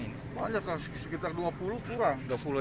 banyak sekitar dua puluh